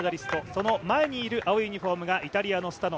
その前にいる青いユニフォームがイタリアのスタノ。